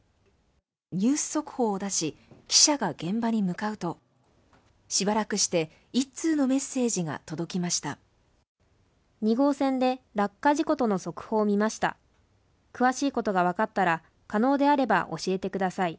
ニュース速報を出し、記者が現場に向かうとしばらくして１通のメッセージが届きました。